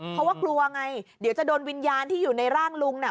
เพราะว่ากลัวไงเดี๋ยวจะโดนวิญญาณที่อยู่ในร่างลุงน่ะ